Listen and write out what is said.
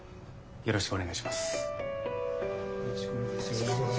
よろしくお願いします。